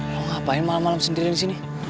lo ngapain malem malem sendiri disini